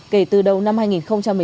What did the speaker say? kể từ đầu năm hai nghìn một mươi chín